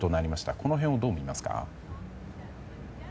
この辺をどう見ますか。